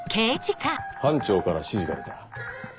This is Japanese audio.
班長から指示が出た。